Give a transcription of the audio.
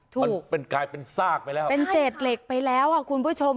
มันเป็นกลายเป็นซากไปแล้วเป็นเศษเหล็กไปแล้วอ่ะคุณผู้ชม